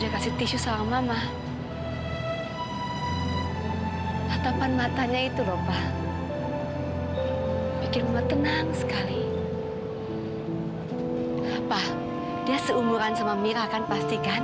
kita harus ketemu mira pa